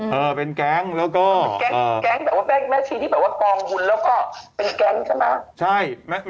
แม่ชีที่กองหุ่นแล้วก็เป็นแกงใช่มั้ย